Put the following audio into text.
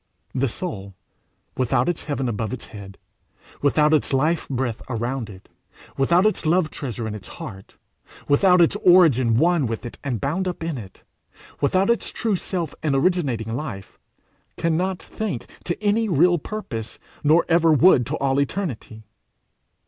The soul, without its heaven above its head, without its life breath around it, without its love treasure in its heart, without its origin one with it and bound up in it, without its true self and originating life, cannot think to any real purpose nor ever would to all eternity.